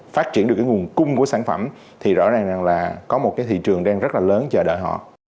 phát triển được cái nguồn cung của sản phẩm thì rõ ràng là có một cái thị trường đang rất là lớn chờ đợi họ